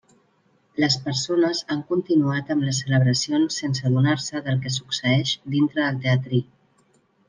Les persones han continuat amb les celebracions sense adonar-se del que succeïx dintre del teatrí.